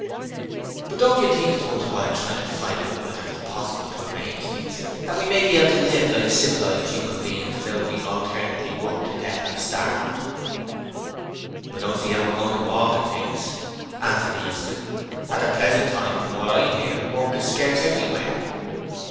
'But don't you think it's worth while trying to find out whether it's possible to so arrange things that we may be able to live like civilized human beings without being alternately worked to death or starved?' 'I don't see how we're goin' to alter things,' answered Easton. 'At the present time, from what I hear, work is scarce everywhere.